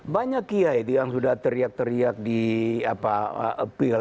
banyak ya itu yang sudah teriak teriak di apa